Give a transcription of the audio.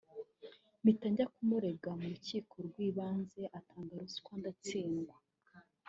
mpita njya kumurega mu Rukiko rw’Ibanze atanga ruswa ndatsindwa